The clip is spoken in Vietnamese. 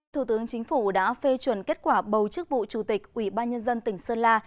thủ tướng chính phủ đã phê chuẩn kết quả bầu chức vụ chủ tịch ủy ban nhân dân tỉnh sơn la